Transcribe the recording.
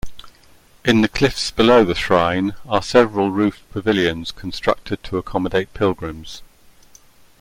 In the cliffs below the shrine are several roofed pavilions constructed to accommodate pilgrims.